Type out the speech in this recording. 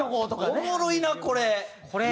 おもろいなこれ。